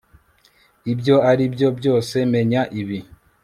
ibyo ari byo byose, menya ibi